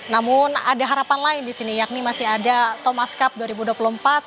namun ada harapan lain di sini yakni masih ada thomas cup dua ribu dua puluh empat